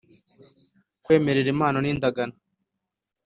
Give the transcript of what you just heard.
Kwemerera impano n indagano